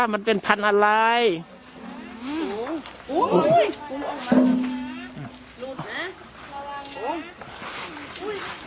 นี่เห็นจริงตอนนี้ต้องซื้อ๖วัน